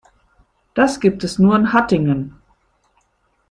Das gibt es nur in Hattingen